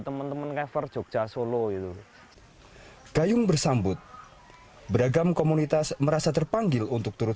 teman teman cover jogja solo itu gayung bersambut beragam komunitas merasa terpanggil untuk turut